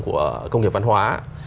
của công nghiệp văn hóa